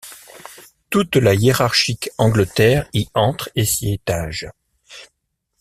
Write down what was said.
Toute la hiérarchique Angleterre y entre et s’y étage.